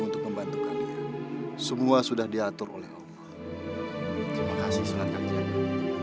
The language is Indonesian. untuk membantu kalian semua sudah diatur oleh allah terima kasih surat kerjanya